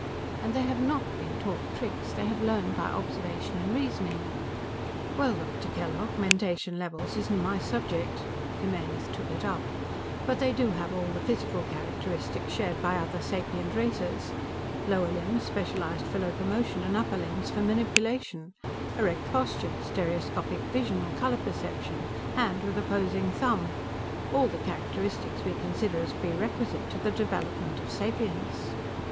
And they have not been taught tricks; they have learned by observation and reasoning." "Well, Dr. Kellogg, mentation levels isn't my subject," Jimenez took it up, "but they do have all the physical characteristics shared by other sapient races lower limbs specialized for locomotion and upper limbs for manipulation, erect posture, stereoscopic vision, color perception, hand with opposing thumb all the characteristics we consider as prerequisite to the development of sapience."